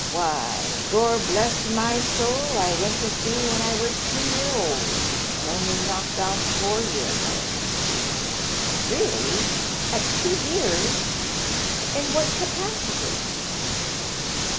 Why, Gor bless my soul, I went to sea when I wur two . year old, and only knocked off four year ago." " Keally ! at two years. In what capacity